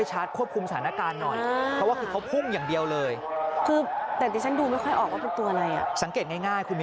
หอ่ะนั่นก็ท่ากท่าที่มือมือหงิกอันนั่นคือ